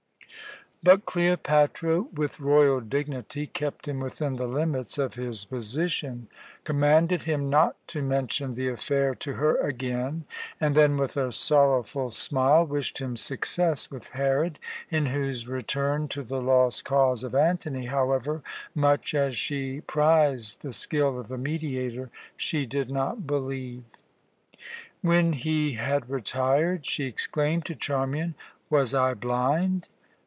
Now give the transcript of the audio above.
But Cleopatra, with royal dignity, kept him within the limits of his position, commanded him not to mention the affair to her again, and then, with a sorrowful smile, wished him success with Herod, in whose return to the lost cause of Antony, however, much as she prized the skill of the mediator, she did not believe. When he had retired, she exclaimed to Charmian: "Was I blind?